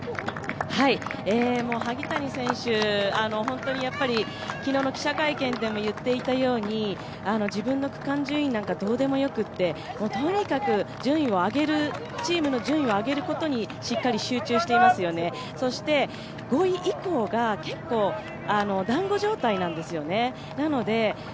萩谷選手、昨日の記者会見でも言っていたように、自分の区間順位なんかどうでもよくてとにかくチームの順位を上げることにしっかり集中していますよね、そして５位以降が結構だんご状態なんですよね。